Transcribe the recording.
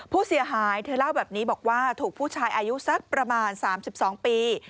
ผู้เสียหายเธอเล่าแบบนี้บอกว่าถูกผู้ชายอายุสักประมาณ๓๒ปี